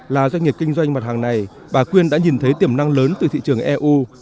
là doanh nghiệp kinh doanh mặt hàng này bà quyên đã nhìn thấy tiềm năng lớn từ thị trường eu